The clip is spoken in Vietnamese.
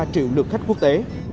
hai ba triệu lượng khách quốc tế